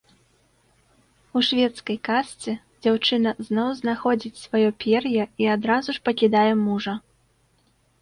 У шведскай казцы дзяўчына зноў знаходзіць сваё пер'е і адразу ж пакідае мужа.